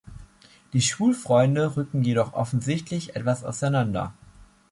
Die Schulfreunde rücken jedoch offensichtlich etwas auseinander.